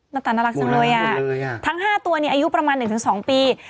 ตาน่ารักจังเลยอ่ะทั้ง๕ตัวเนี่ยอายุประมาณ๑๒ปี